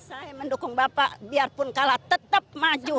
saya mendukung bapak biarpun kalah tetap maju